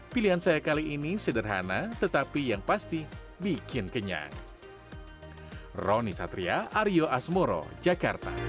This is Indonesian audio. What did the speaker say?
pilihan saya kali ini sederhana tetapi yang pasti bikin kenyang